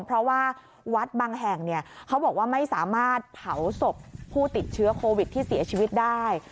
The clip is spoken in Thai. เพราะว่าวัดบางแห่งเขาบอกว่าไม่สามารถเผาศพผู้ติดเชื้อโควิดที่เสียชีวิตได้